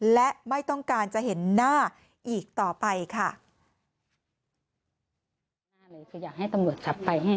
และไม่ต้องการจะเห็นหน้าอีกต่อไปค่ะ